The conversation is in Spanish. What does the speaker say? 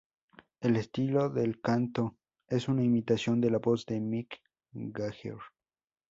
El estilo del canto, es una imitación de la voz de Mick Jagger.